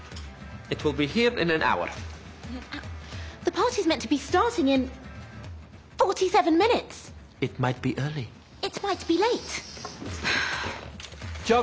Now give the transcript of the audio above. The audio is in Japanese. えっ？